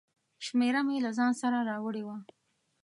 شمېره مې له ځانه سره راوړې وه.